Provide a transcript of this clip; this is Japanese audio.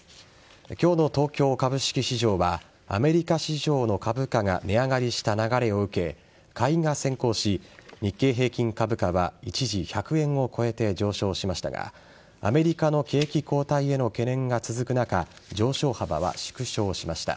今日の東京株式市場はアメリカ市場の株価が値上がりした流れを受け買いが先行し、日経平均株価は一時１００円を超えて上昇しましたがアメリカの景気後退への懸念が続く中上昇幅は縮小しました。